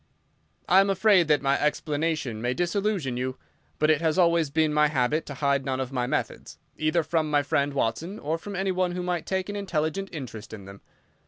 "I am afraid that my explanation may disillusionize you but it has always been my habit to hide none of my methods, either from my friend Watson or from any one who might take an intelligent interest in them.